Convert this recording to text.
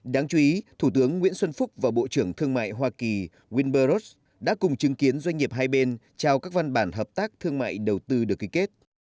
đáng chú ý thủ tướng nguyễn xuân phúc và bộ trưởng thương mại hoa kỳ wilbur ross đã cùng chứng kiến doanh nghiệp hai bên trao các văn bản hợp tác thương mại đầu tư được ký kết